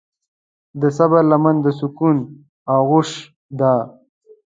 د صبر لمن د سکون آغوش ده.